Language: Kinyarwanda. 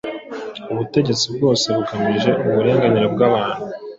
ubutegetsi bwose bugamije uburinganire bw’abantu